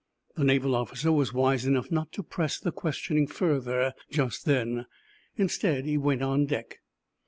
The naval officer was wise enough not to press the questioning further just then. Instead, he went on deck.